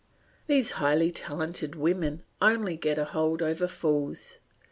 These highly talented women only get a hold over fools.